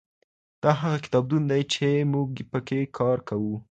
دا هغه کتابتون دئ چي موږ پکي کار کوو.